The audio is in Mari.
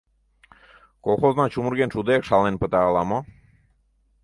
Колхозна чумырген шудеак шаланен пыта ала-мо...